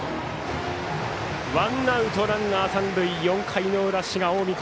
ワンアウト、ランナー三塁４回の裏、滋賀、近江。